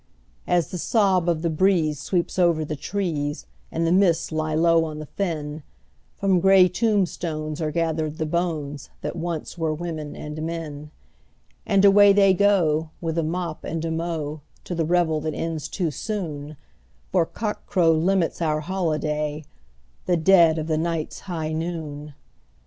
As the sob of the breeze sweeps over the trees, and the mists lie low on the fen, From grey tombstones are gathered the bones that once were women and men, And away they go, with a mop and a mow, to the revel that ends too soon, For cockcrow limits our holiday—the dead of the night's high noon!